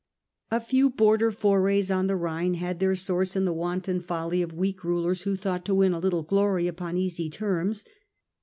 A few border forays on the Rhine had their source in the wanton folly ?o8 The Earlier Empire, of weak rulers who thought to win a little glory upon easy terms.